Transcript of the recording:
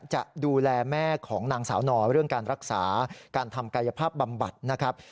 จะดูแลแม่ของนางสาวนอเรื่องการรักษาการทำกายภาพบำบัดนะครับ